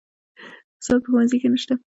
فساد په ښوونځي کې نشته.